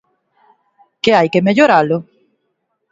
¿Que hai que melloralo?